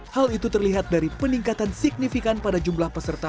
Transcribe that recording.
hal itu terlihat dari peningkatan signifikan pada jumlah peserta